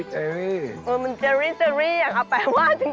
มันเจรี่อยากเอาไปว่าจริง